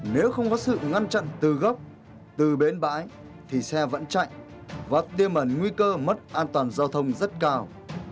nếu không có sự ngăn chặn từ gốc từ bến bãi thì xe vẫn chạy và tiêm ẩn nguy cơ mất an toàn giao thông rất cao